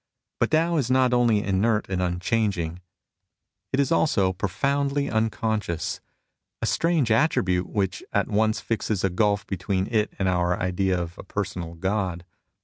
But Tao is not only inert and unchanging, it is also profoundly 20 MUSINGS OF A CHINESE MYSTIC unconscious — a strange attribute, which at once fixes a gulf between it and our idea of a personal God.